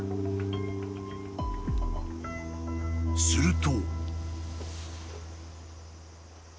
［すると］